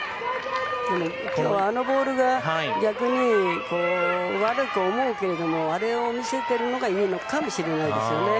今日あのボールが逆に悪く思うけどあれを見せているのがいいのかもしれないですよね。